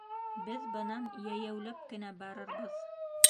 Беҙ бынан йәйәүләп кенә барырбыҙ.